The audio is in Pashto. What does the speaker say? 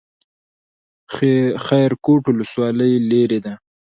خیرکوټ ولسوالۍ لیرې ده؟